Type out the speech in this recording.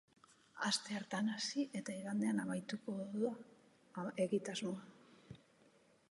Asteartean hasi eta igandean amaituko da egitasmoa.